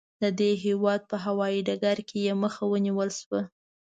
د دې هېواد په هوايي ډګر کې یې مخه ونیول شوه.